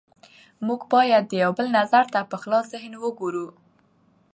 موږ باید د یو بل نظر ته په خلاص ذهن وګورو